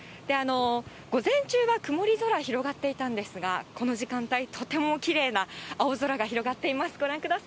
午前中は曇り空、広がっていたんですが、この時間帯、とてもきれいな青空が広がっています。